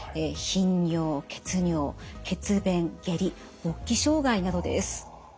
頻尿・血尿血便・下痢勃起障害などです。